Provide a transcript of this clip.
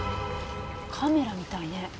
カメラみたいね。